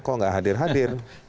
kok nggak hadir hadir